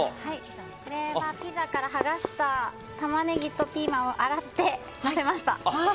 これはピザから剥がしたタマネギとピーマンを洗って、のせました。